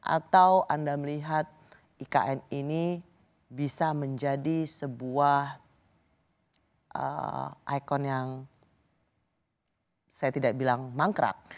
atau anda melihat ikn ini bisa menjadi sebuah ikon yang saya tidak bilang mangkrak